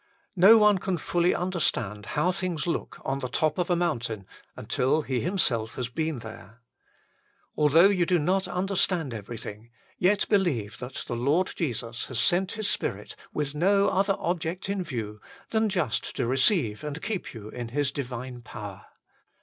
No one can fully understand how things look on the top of a mountain until he himself has been there. Although you do not understand everything, yet believe that the Lord Jesus has sent His Spirit with no other object in view than just to receive and keep you in His divine power.